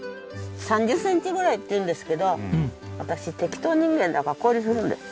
３０センチぐらいっていうんですけど私適当人間だからこうにするんです。